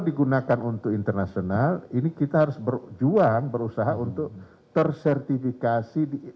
digunakan untuk internasional ini kita harus berjuang berusaha untuk tersertifikasi di